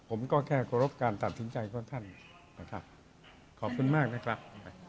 ผมก็แค่เคารพการตัดสินใจของท่านนะครับขอบคุณมากนะครับ